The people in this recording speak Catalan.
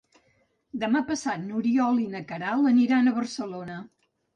Demà passat n'Oriol i na Queralt aniran a Barcelona.